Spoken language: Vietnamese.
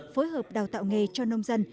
phối hợp đào tạo nghề cho nông dân